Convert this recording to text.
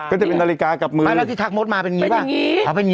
ก็จะเป็นนาฬิกากลับมือปะไปอย่างงี้อ่ะไอ้น้ำหาคุณ